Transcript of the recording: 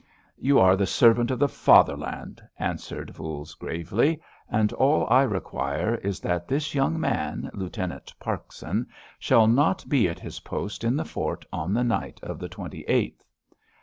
"You are the servant of the Fatherland," answered Voules gravely, "and all I require is that this young man, Lieutenant Parkson, shall not be at his post in the fort on the night of the twenty eighth.